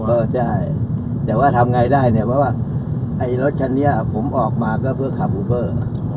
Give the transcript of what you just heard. เออใช่แต่ว่าทำไงได้เนี่ยเพราะว่าไอ้รถคันนี้ผมออกมาก็เพื่อขับอูเบอร์